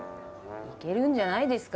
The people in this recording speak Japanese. いけるんじゃないですか？